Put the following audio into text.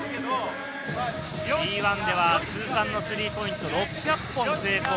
Ｂ１では通算スリーポイント、６００本成功。